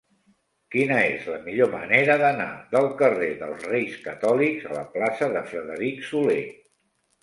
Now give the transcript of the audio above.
Quina és la millor manera d'anar del carrer dels Reis Catòlics a la plaça de Frederic Soler?